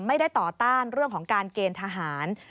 ต่อต้านเรื่องของการเกณฑ์ทหาร